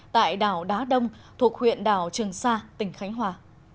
tại đảo đá đông thuộc huyện đảo trường sa tỉnh khánh hòa